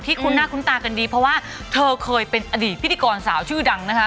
คุ้นหน้าคุ้นตากันดีเพราะว่าเธอเคยเป็นอดีตพิธีกรสาวชื่อดังนะคะ